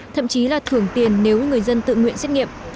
thậm chí là thưởng tiền nếu người dân tự nguyện xét nghiệm